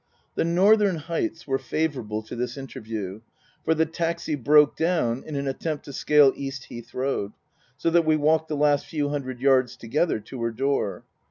The Northern Heights were favourable to this inter view, for the taxi broke down in an attempt to scale East Heath Road, so that we walked the last few hundred yards together to her door.